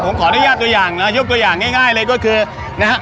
ผมขออนุญาตตัวอย่างนะยกตัวอย่างง่ายเลยก็คือนะฮะ